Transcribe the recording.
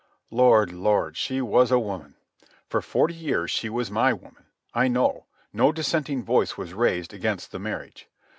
Lord, Lord, she was a woman. For forty years she was my woman. I know. No dissenting voice was raised against the marriage.